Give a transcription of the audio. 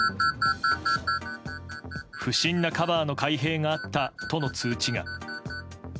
不審なカバーの開閉があったとの通知が。